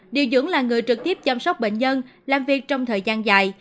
điều dưỡng là người trực tiếp chăm sóc bệnh nhân làm việc trong thời gian dài